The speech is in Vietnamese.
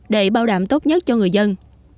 để bao đảm tốt nhất cho người dân